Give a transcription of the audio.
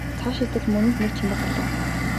Цаашилтал мөн л нэг чимээ гарлаа.